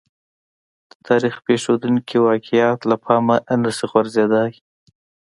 د تاریخ پېښېدونکي واقعات له پامه نه شي غورځېدای.